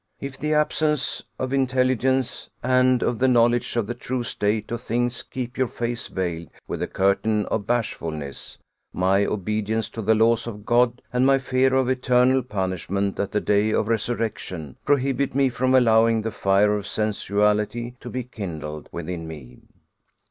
If the absence of intelligence and of the knowledge of the true state of things keep your face veiled with the curtain of bashfulness, my obedience to the laws of God, and my fear of eternal punishment at the day of resurrection, prohibit me from allowing the fire of sensuality to be kindled within me.